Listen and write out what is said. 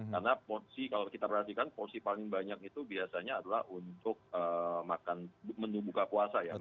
karena kalau kita perhatikan porsi paling banyak itu biasanya adalah untuk menu buka puasa ya